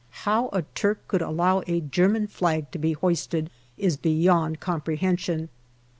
How a Turk could allow a German flag to be hoisted is beyond comprehension.